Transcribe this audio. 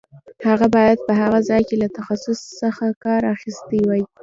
هغه باید په هغه ځای کې له تخصص څخه کار اخیستی وای.